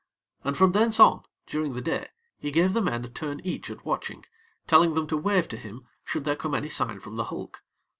And from thence on, during the day, he gave the men a turn each at watching, telling them to wave to him should there come any sign from the hulk.